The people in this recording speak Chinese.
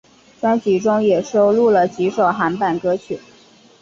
专辑中也收录了几首韩版歌曲。